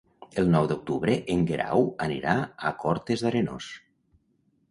El nou d'octubre en Guerau anirà a Cortes d'Arenós.